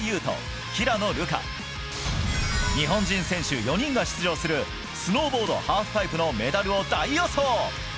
斗、平野流佳日本人選手４人が出場するスノーボードハーフパイプのメダルを大予想！